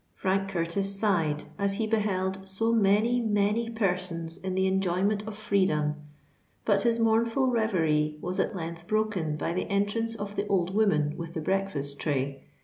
Frank Curtis sighed as he beheld so many, many persons in the enjoyment of freedom;—but his mournful reverie was at length broken by the entrance of the old woman with the breakfast tray.